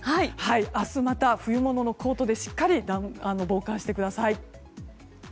明日はまた冬物のコートでしっかり防寒してください。